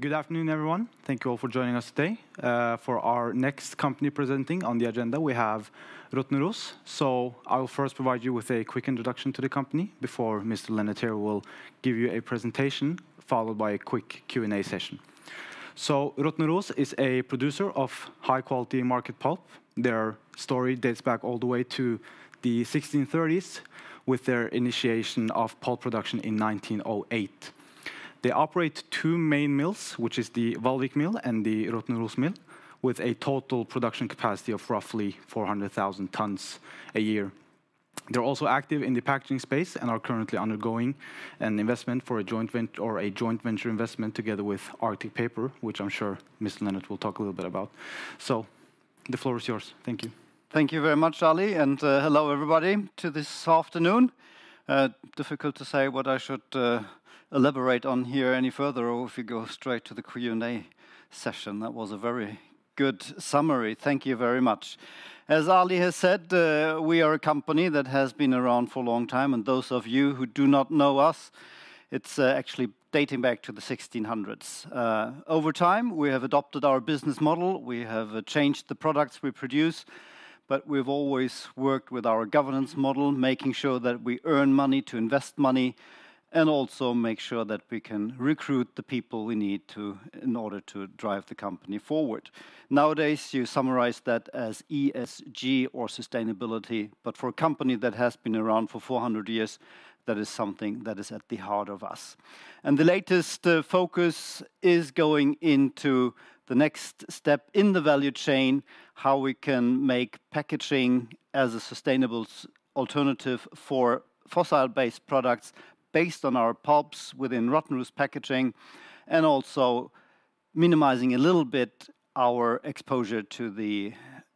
Good afternoon, everyone. Thank you all for joining us today. For our next company presenting on the agenda, we have Rottneros. So I will first provide you with a quick introduction to the company before Mr. Lennart here will give you a presentation, followed by a quick Q&A session. So Rottneros is a producer of high-quality market pulp. Their story dates back all the way to the 1630s, with their initiation of pulp production in 1908. They operate two main mills, which is the Vallvik Mill and the Rottneros Mill, with a total production capacity of roughly 400,000 tons a year. They're also active in the packaging space and are currently undergoing an investment for a joint venture investment together with Arctic Paper, which I'm sure Mr. Lennart will talk a little bit about. So the floor is yours. Thank you. Thank you very much, Ali, and hello, everybody, to this afternoon. Difficult to say what I should elaborate on here any further, or if we go straight to the Q&A session. That was a very good summary. Thank you very much. As Ali has said, we are a company that has been around for a long time, and those of you who do not know us, it's actually dating back to the 1600s. Over time, we have adopted our business model. We have changed the products we produce, but we've always worked with our governance model, making sure that we earn money to invest money, and also make sure that we can recruit the people we need to in order to drive the company forward. Nowadays, you summarize that as ESG or sustainability, but for a company that has been around for 400 years, that is something that is at the heart of us. The latest focus is going into the next step in the value chain, how we can make packaging as a sustainable alternative for fossil-based products based on our pulps within Rottneros Packaging, and also minimizing a little bit our exposure to the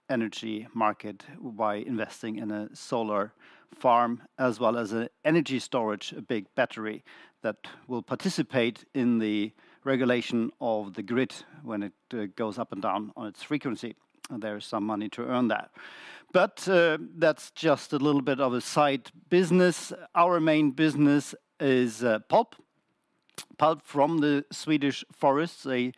energy market by investing in a solar farm, as well as a energy storage, a big battery, that will participate in the regulation of the grid when it goes up and down on its frequency, and there is some money to earn that. But that's just a little bit of a side business. Our main business is pulp, pulp from the Swedish forests, a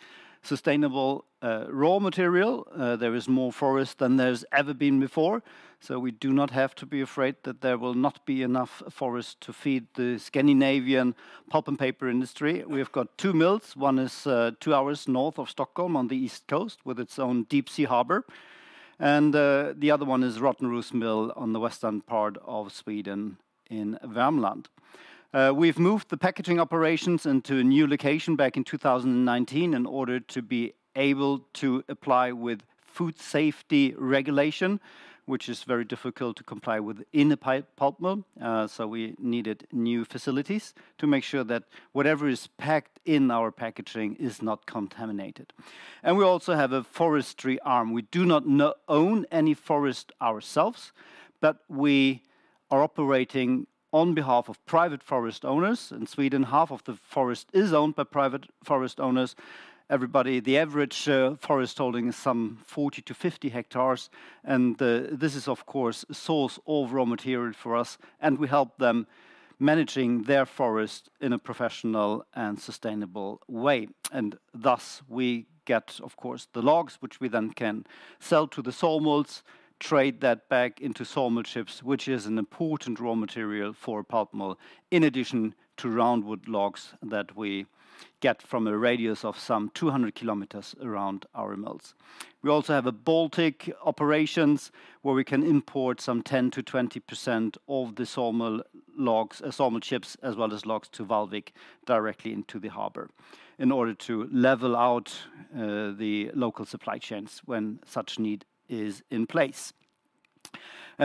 sustainable raw material. There is more forest than there's ever been before, so we do not have to be afraid that there will not be enough forest to feed the Scandinavian pulp and paper industry. We've got two mills. One is two hours north of Stockholm on the east coast, with its own deep-sea harbor, and the other one is Rottneros Mill on the western part of Sweden in Värmland. We've moved the packaging operations into a new location back in 2019 in order to be able to apply with food safety regulation, which is very difficult to comply with in a pulp mill. So we needed new facilities to make sure that whatever is packed in our packaging is not contaminated. And we also have a forestry arm. We do not know any forest ourselves, but we are operating on behalf of private forest owners. In Sweden, half of the forest is owned by private forest owners. The average forest holding is some 40-50 hectares, and this is, of course, source of raw material for us, and we help them managing their forest in a professional and sustainable way. And thus, we get, of course, the logs, which we then can sell to the sawmills, trade that back into sawmill chips, which is an important raw material for a pulp mill, in addition to roundwood logs that we get from a radius of some 200 kilometers around our mills. We also have a Baltic operations, where we can import some 10%-20% of the sawmill logs, sawmill chips, as well as logs, to Vallvik directly into the harbor in order to level out the local supply chains when such need is in place.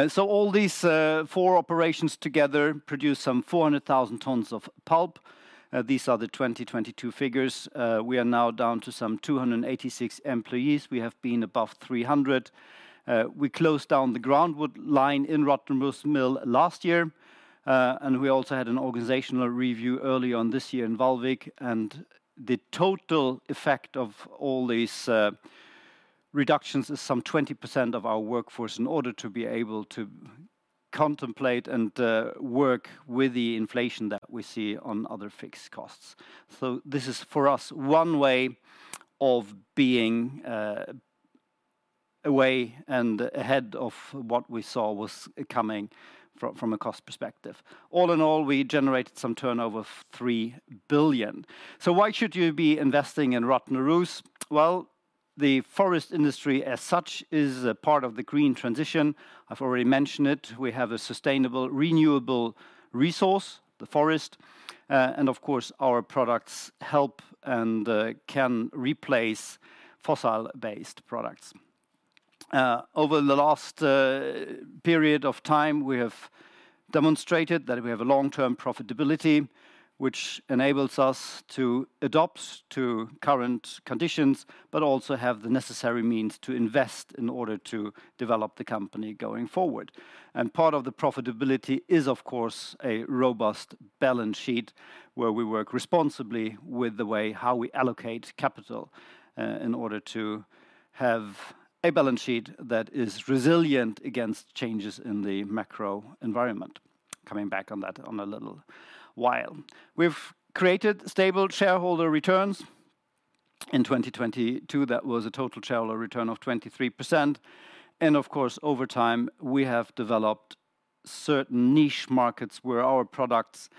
So all these four operations together produce some 400,000 tons of pulp. These are the 2022 figures. We are now down to some 286 employees. We have been above 300. We closed down the groundwood line in Rottneros Mill last year, and we also had an organizational review early on this year in Vallvik, and the total effect of all these reductions is some 20% of our workforce in order to be able to contemplate and work with the inflation that we see on other fixed costs. So this is, for us, one way of being away and ahead of what we saw was coming from a cost perspective. All in all, we generated some turnover of 3 billion. So why should you be investing in Rottneros? Well, the forest industry as such is a part of the green transition. I've already mentioned it. We have a sustainable, renewable resource, the forest, and of course, our products help and can replace fossil-based products. Over the last period of time, we have demonstrated that we have a long-term profitability, which enables us to adapt to current conditions, but also have the necessary means to invest in order to develop the company going forward. Part of the profitability is, of course, a robust balance sheet, where we work responsibly with the way how we allocate capital in order to have a balance sheet that is resilient against changes in the macro environment.... Coming back on that in a little while. We've created stable shareholder returns. In 2022, that was a total shareholder return of 23%, and of course, over time, we have developed certain niche markets where our products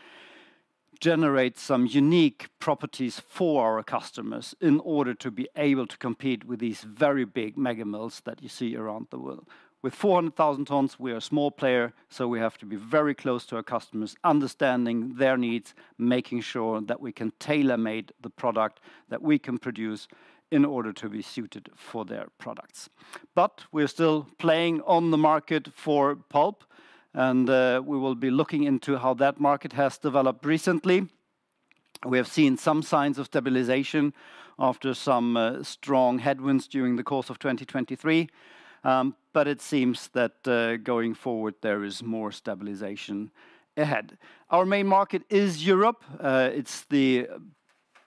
generate some unique properties for our customers in order to be able to compete with these very big mega mills that you see around the world. With 400,000 tons, we are a small player, so we have to be very close to our customers, understanding their needs, making sure that we can tailor-made the product that we can produce in order to be suited for their products. But we're still playing on the market for pulp, and we will be looking into how that market has developed recently. We have seen some signs of stabilization after some strong headwinds during the course of 2023. But it seems that going forward, there is more stabilization ahead. Our main market is Europe. It's the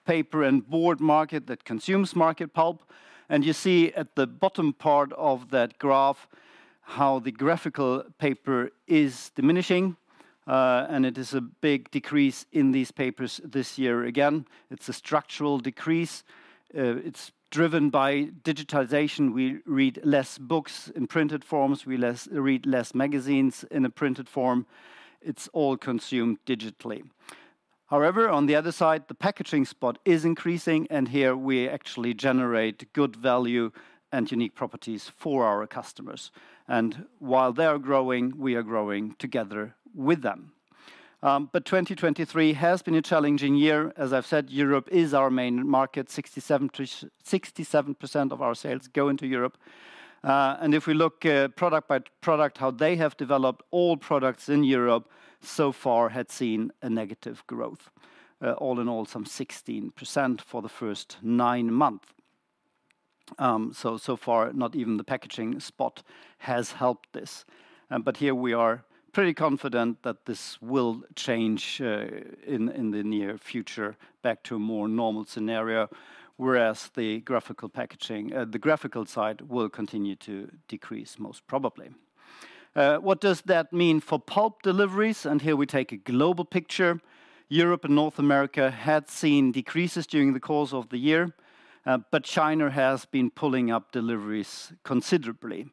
paper and board market that consumes market pulp, and you see at the bottom part of that graph how the graphical paper is diminishing, and it is a big decrease in these papers this year. Again, it's a structural decrease. It's driven by digitization. We read less books in printed forms. We read less magazines in a printed form. It's all consumed digitally. However, on the other side, the packaging sector is increasing, and here we actually generate good value and unique properties for our customers, and while they are growing, we are growing together with them. But 2023 has been a challenging year. As I've said, Europe is our main market. 67% of our sales go into Europe. And if we look at product by product, how they have developed, all products in Europe so far had seen a negative growth, all in all, some 16% for the first nine months. So, so far, not even the packaging spot has helped this, but here we are pretty confident that this will change in the near future back to a more normal scenario, whereas the graphical packaging, the graphical side will continue to decrease, most probably. What does that mean for pulp deliveries? And here we take a global picture. Europe and North America had seen decreases during the course of the year, but China has been pulling up deliveries considerably.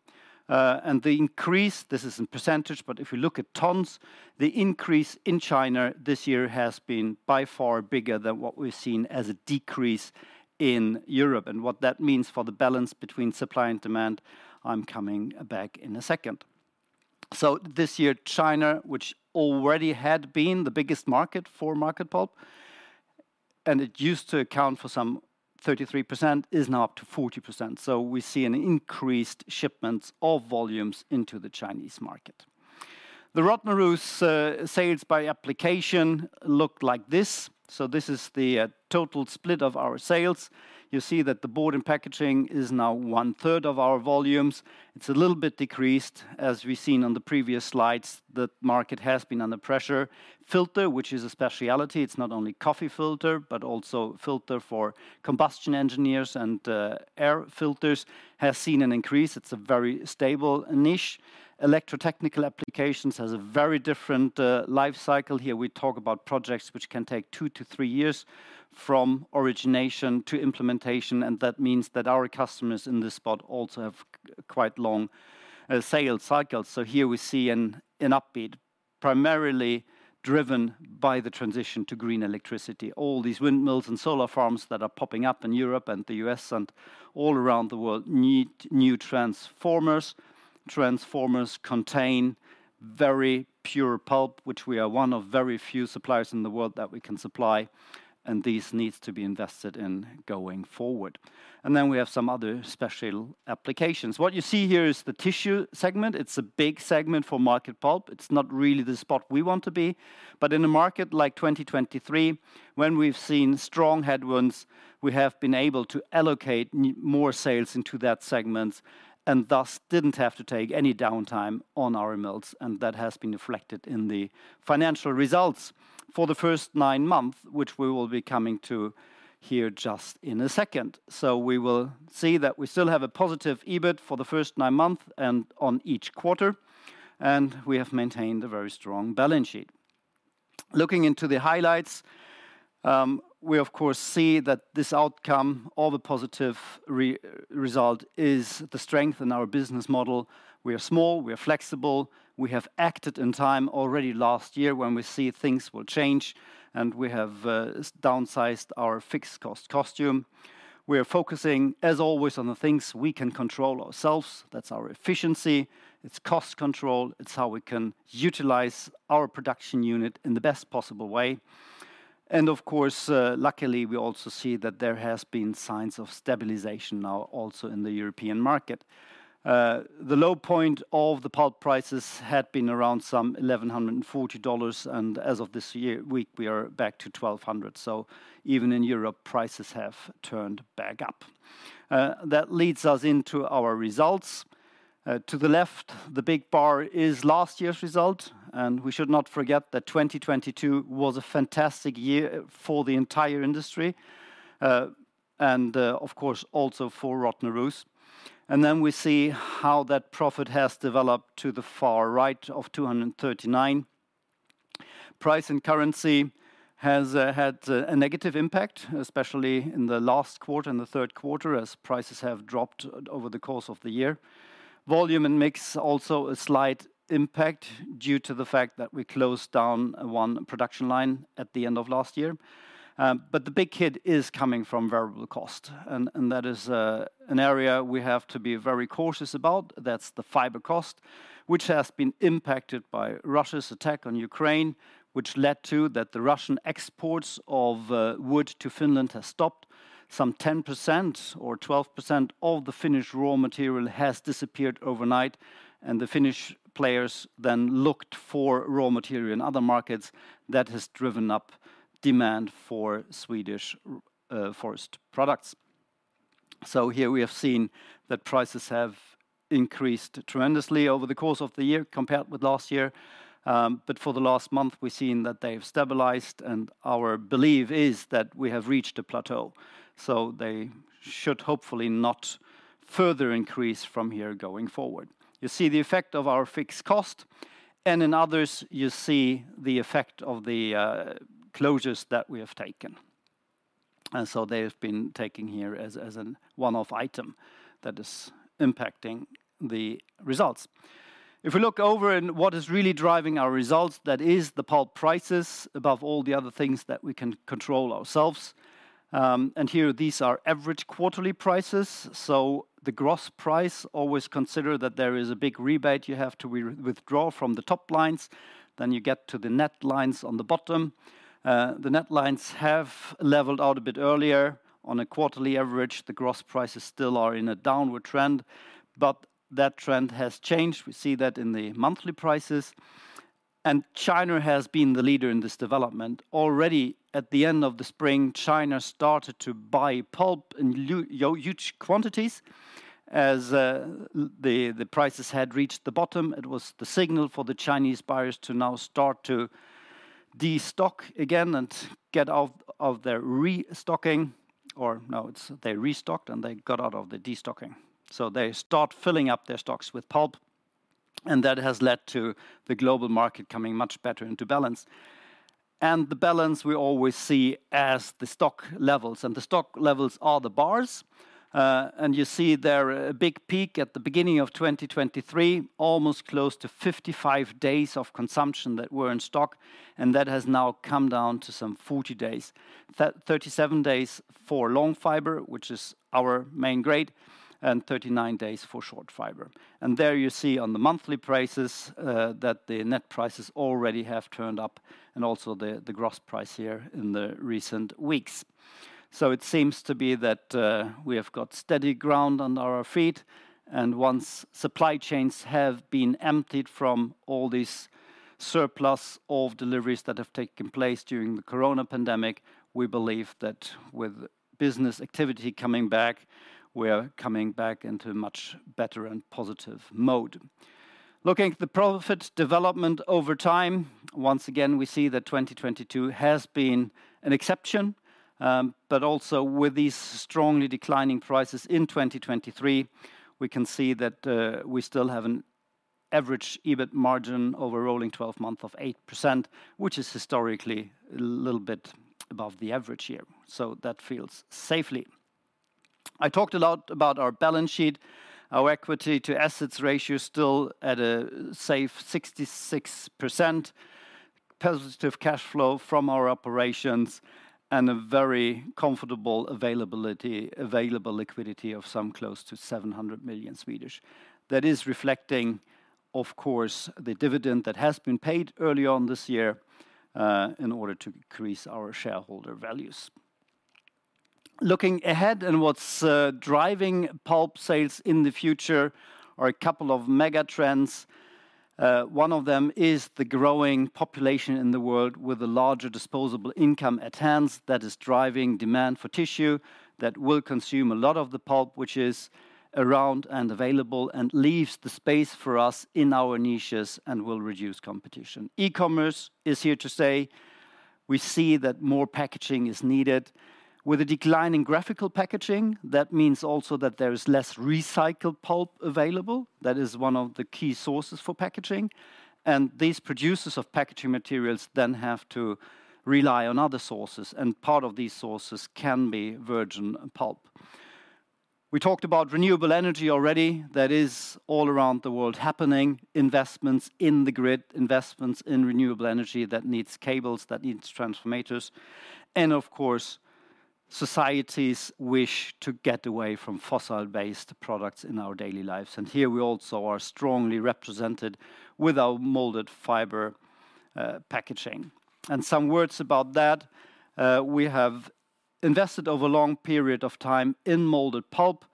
And the increase, this is in percentage, but if you look at tons, the increase in China this year has been by far bigger than what we've seen as a decrease in Europe, and what that means for the balance between supply and demand, I'm coming back in a second. So this year, China, which already had been the biggest market for market pulp, and it used to account for some 33%, is now up to 40%. So we see an increased shipments of volumes into the Chinese market. The Rottneros sales by application looked like this. So this is the total split of our sales. You see that the board and packaging is now one-third of our volumes. It's a little bit decreased. As we've seen on the previous slides, the market has been under pressure. Filter, which is a specialty, it's not only coffee filter, but also filter for combustion engines and air filters, has seen an increase. It's a very stable niche. Electrotechnical applications has a very different life cycle. Here we talk about projects which can take 2-3 years from origination to implementation, and that means that our customers in this spot also have quite long sales cycles. So here we see an upbeat, primarily driven by the transition to green electricity. All these windmills and solar farms that are popping up in Europe and the U.S. and all around the world need new transformers. Transformers contain very pure pulp, which we are one of very few suppliers in the world that we can supply, and this needs to be invested in going forward. And then we have some other special applications. What you see here is the tissue segment. It's a big segment for market pulp. It's not really the spot we want to be, but in a market like 2023, when we've seen strong headwinds, we have been able to allocate more sales into that segment and thus didn't have to take any downtime on our mills, and that has been reflected in the financial results for the first nine months, which we will be coming to here just in a second. We will see that we still have a positive EBIT for the first nine months and on each quarter, and we have maintained a very strong balance sheet. Looking into the highlights, we of course see that this outcome or the positive result is the strength in our business model. We are small, we are flexible, we have acted in time already last year when we see things will change, and we have downsized our fixed cost structure. We are focusing, as always, on the things we can control ourselves. That's our efficiency, it's cost control, it's how we can utilize our production unit in the best possible way. And of course, luckily, we also see that there has been signs of stabilization now, also in the European market. The low point of the pulp prices had been around some $1,140, and as of this week, we are back to $1,200. So even in Europe, prices have turned back up. That leads us into our results. To the left, the big bar is last year's result, and we should not forget that 2022 was a fantastic year for the entire industry. Of course, also for Rottneros. Then we see how that profit has developed to the far right of 239. Price and currency has had a negative impact, especially in the last quarter, in the third quarter, as prices have dropped over the course of the year. Volume and mix, also a slight impact due to the fact that we closed down one production line at the end of last year. But the big hit is coming from variable cost, and that is an area we have to be very cautious about. That's the fiber cost, which has been impacted by Russia's attack on Ukraine, which led to that the Russian exports of wood to Finland has stopped. Some 10% or 12% of the Finnish raw material has disappeared overnight, and the Finnish players then looked for raw material in other markets. That has driven up demand for Swedish forest products. So here we have seen that prices have increased tremendously over the course of the year compared with last year, but for the last month, we've seen that they've stabilized, and our belief is that we have reached a plateau, so they should hopefully not further increase from here going forward. You see the effect of our fixed cost, and in others, you see the effect of the closures that we have taken. They have been taken here as an one-off item that is impacting the results. If we look over in what is really driving our results, that is the pulp prices above all the other things that we can control ourselves. Here, these are average quarterly prices, so the gross price, always consider that there is a big rebate you have to re-withdraw from the top lines. Then you get to the net lines on the bottom. The net lines have leveled out a bit earlier. On a quarterly average, the gross prices still are in a downward trend, but that trend has changed. We see that in the monthly prices, and China has been the leader in this development. Already, at the end of the spring, China started to buy pulp in huge quantities. As the prices had reached the bottom, it was the signal for the Chinese buyers to now start to destock again and get out of their restocking, or no, it's they restocked, and they got out of the destocking. So they start filling up their stocks with pulp, and that has led to the global market coming much better into balance. And the balance we always see as the stock levels, and the stock levels are the bars. And you see there a big peak at the beginning of 2023, almost close to 55 days of consumption that were in stock, and that has now come down to some 40 days. Thirty-seven days for long fiber, which is our main grade, and 39 days for short fiber. There you see on the monthly prices, that the net prices already have turned up and also the gross price here in the recent weeks. So it seems to be that, we have got steady ground under our feet, and once supply chains have been emptied from all this surplus of deliveries that have taken place during the coronavirus pandemic, we believe that with business activity coming back, we are coming back into a much better and positive mode. Looking at the profit development over time, once again, we see that 2022 has been an exception, but also with these strongly declining prices in 2023, we can see that, we still have an average EBIT margin over rolling 12-month of 8%, which is historically a little bit above the average year, so that feels safely. I talked a lot about our balance sheet. Our equity to assets ratio is still at a safe 66%, positive cash flow from our operations, and a very comfortable availability, available liquidity of some close to 700 million. That is reflecting, of course, the dividend that has been paid early on this year, in order to increase our shareholder values. Looking ahead at what's driving pulp sales in the future are a couple of mega trends. One of them is the growing population in the world with a larger disposable income at hand that is driving demand for tissue that will consume a lot of the pulp, which is around and available and leaves the space for us in our niches and will reduce competition. E-commerce is here to stay. We see that more packaging is needed. With a decline in graphical packaging, that means also that there is less recycled pulp available. That is one of the key sources for packaging, and these producers of packaging materials then have to rely on other sources, and part of these sources can be virgin pulp. We talked about renewable energy already. That is all around the world happening, investments in the grid, investments in renewable energy that needs cables, that needs transformers, and of course, societies wish to get away from fossil-based products in our daily lives, and here we also are strongly represented with our molded fiber packaging. Some words about that, we have invested over a long period of time in molded pulp.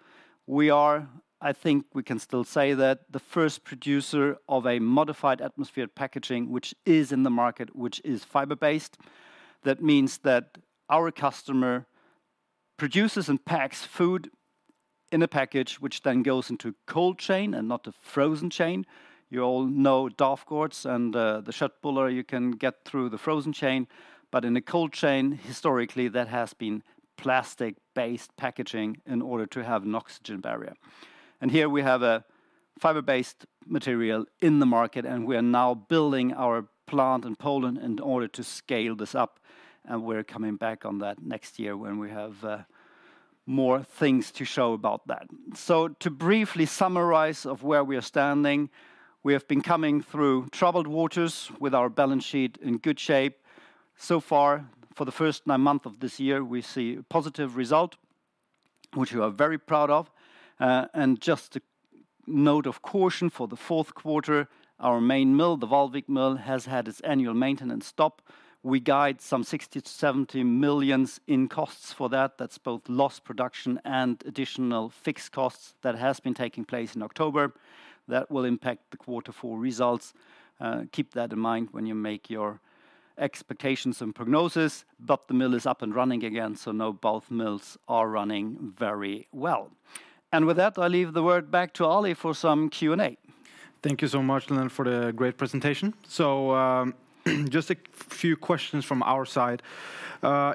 We are, I think we can still say that, the first producer of a modified atmosphere packaging, which is in the market, which is fiber-based. That means that our customer produces and packs food in a package which then goes into cold chain and not a frozen chain. You all know Dafgård's and the Köttbullar you can get through the frozen chain, but in a cold chain, historically, that has been plastic-based packaging in order to have an oxygen barrier. And here we have a fiber-based material in the market, and we are now building our plant in Poland in order to scale this up, and we're coming back on that next year when we have more things to show about that. So to briefly summarize of where we are standing, we have been coming through troubled waters with our balance sheet in good shape. So far, for the first nine months of this year, we see a positive result, which we are very proud of. And just a note of caution, for the fourth quarter, our main mill, the Vallvik Mill, has had its annual maintenance stop. We guide some 60-70 million in costs for that. That's both lost production and additional fixed costs that has been taking place in October. That will impact the quarter four results. Keep that in mind when you make your expectations and prognosis. But the mill is up and running again, so now both mills are running very well. And with that, I leave the word back to Ali for some Q&A. Thank you so much, Lennart, for the great presentation. Just a few questions from our side.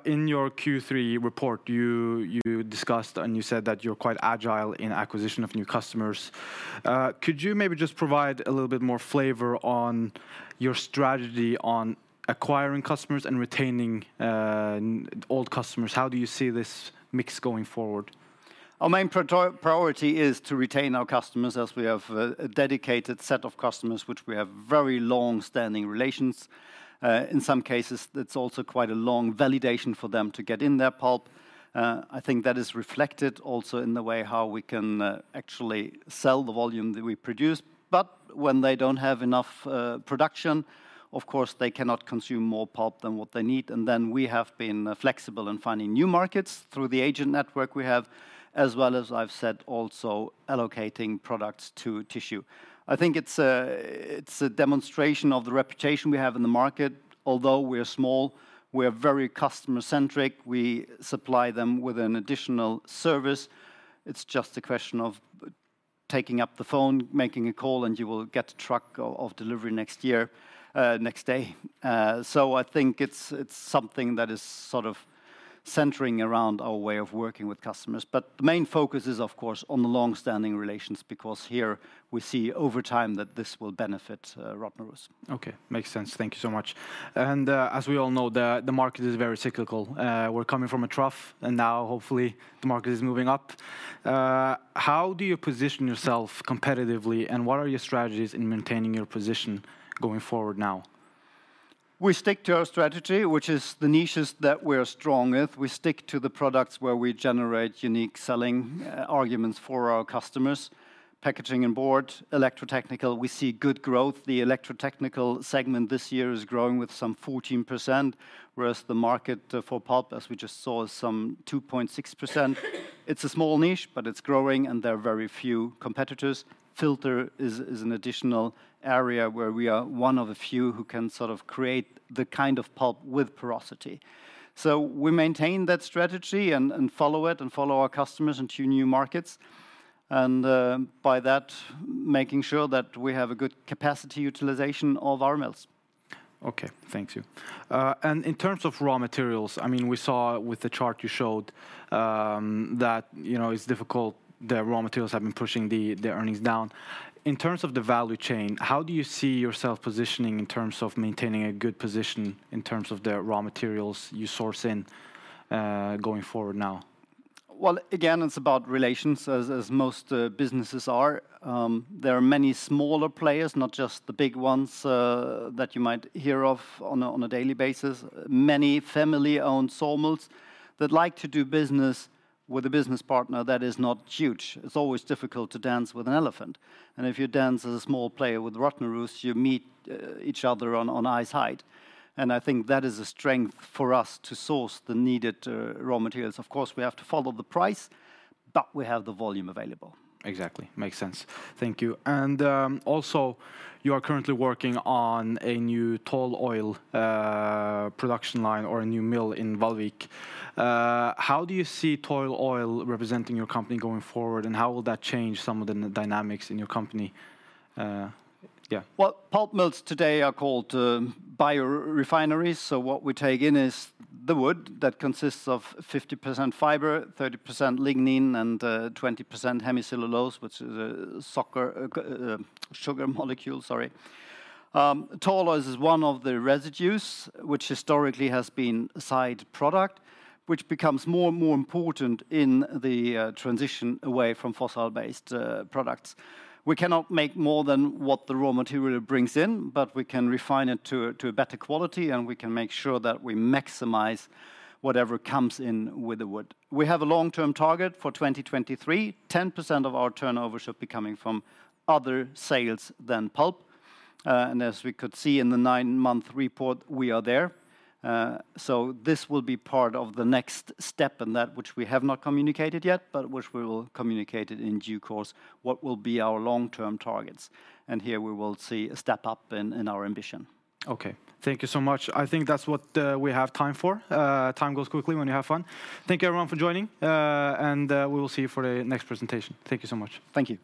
In your Q3 report, you discussed, and you said that you're quite agile in acquisition of new customers. Could you maybe just provide a little bit more flavor on your strategy on acquiring customers and retaining old customers? How do you see this mix going forward? Our main priority is to retain our customers, as we have a dedicated set of customers, which we have very long-standing relations. In some cases, it's also quite a long validation for them to get in their pulp. I think that is reflected also in the way how we can actually sell the volume that we produce. But when they don't have enough production, of course, they cannot consume more pulp than what they need. And then we have been flexible in finding new markets through the agent network we have, as well as I've said, also allocating products to tissue. I think it's a demonstration of the reputation we have in the market. Although we are small, we are very customer-centric. We supply them with an additional service. It's just a question of taking up the phone, making a call, and you will get a truck of delivery next year, next day. So I think it's, it's something that is sort of centering around our way of working with customers. But the main focus is, of course, on the long-standing relations because here we see over time that this will benefit Rottneros. Okay, makes sense. Thank you so much. And, as we all know, the market is very cyclical. We're coming from a trough, and now hopefully the market is moving up. How do you position yourself competitively, and what are your strategies in maintaining your position going forward now? We stick to our strategy, which is the niches that we're strong with. We stick to the products where we generate unique selling arguments for our customers. Packaging and board, electrotechnical, we see good growth. The electrotechnical segment this year is growing with some 14%, whereas the market for pulp, as we just saw, is some 2.6%. It's a small niche, but it's growing, and there are very few competitors. Filter is an additional area where we are one of the few who can sort of create the kind of pulp with porosity. So we maintain that strategy and follow it and follow our customers into new markets, and by that, making sure that we have a good capacity utilization of our mills. Okay. Thank you. In terms of raw materials, I mean, we saw with the chart you showed, that, you know, it's difficult, the raw materials have been pushing the earnings down. In terms of the value chain, how do you see yourself positioning in terms of maintaining a good position in terms of the raw materials you source in, going forward now? Well, again, it's about relations, as most businesses are. There are many smaller players, not just the big ones that you might hear of on a daily basis. Many family-owned sawmills that like to do business with a business partner that is not huge. It's always difficult to dance with an elephant, and if you dance as a small player with Rottneros, you meet each other on eye height, and I think that is a strength for us to source the needed raw materials. Of course, we have to follow the price, but we have the volume available. Exactly. Makes sense. Thank you. And, also, you are currently working on a new tall oil production line or a new mill in Vallvik. How do you see tall oil representing your company going forward, and how will that change some of the dynamics in your company? Well, pulp mills today are called biorefineries, so what we take in is the wood that consists of 50% fiber, 30% lignin, and twenty percent hemicellulose, which is a sucker sugar molecule, sorry. Tall oils is one of the residues which historically has been a side product, which becomes more and more important in the transition away from fossil-based products. We cannot make more than what the raw material brings in, but we can refine it to a better quality, and we can make sure that we maximize whatever comes in with the wood. We have a long-term target for 2023. 10% of our turnover should be coming from other sales than pulp. As we could see in the nine-month report, we are there. So this will be part of the next step, and that which we have not communicated yet, but which we will communicate it in due course, what will be our long-term targets, and here we will see a step up in our ambition. Okay. Thank you so much. I think that's what we have time for. Time goes quickly when you have fun. Thank you, everyone, for joining, and we will see you for the next presentation. Thank you so much. Thank you.